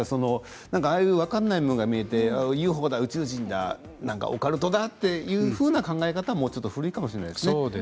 ああいう分からないものが見えてＵＦＯだ、宇宙人だオカルトだ、というふうな考え方はちょっと古いかもしれないですね。